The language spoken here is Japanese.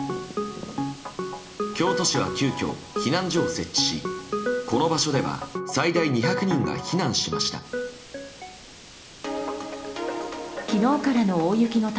京都市は急きょ避難所を設置しこの場所では最大２００人が避難しました。